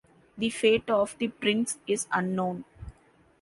The fate of the prints is unknown.